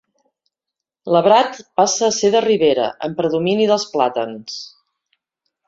L'arbrat passa a ser de ribera, amb predomini dels plàtans.